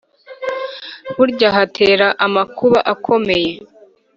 Burya hatera amakuba akomeye